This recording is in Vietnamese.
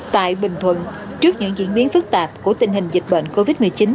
tại bình thuận trước những diễn biến phức tạp của tình hình dịch bệnh covid một mươi chín